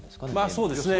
そうですね。